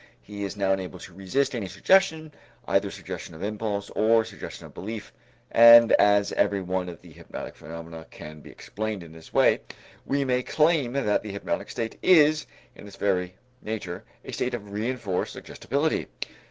He is now unable to resist any suggestion, either suggestion of impulse or suggestion of belief, and as every one of the hypnotic phenomena can be explained in this way, we may claim that the hypnotic state is in its very nature a state of reënforced suggestibility.